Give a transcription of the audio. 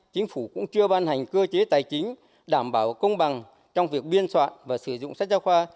chính phủ cũng chưa ban hành cơ chế tài chính đảm bảo công bằng trong việc biên soạn và sử dụng sách giáo khoa